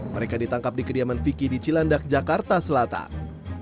mereka ditangkap di kediaman vicky di cilandak jakarta selatan